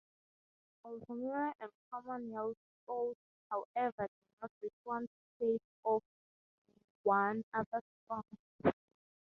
Altamira and common yellowthoats, however, do not respond to tapes of one other's songs.